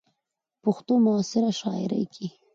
،پښتو معاصره شاعرۍ کې